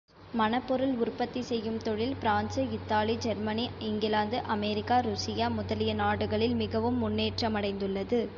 மணப்பொருள் உற்பத்தி செய்யும் தொழில், France, Italy, Germany, England, America, Russia முதலிய நாடுகளில் மிகவும் முன்னேற்றமடைந்துள்ளது.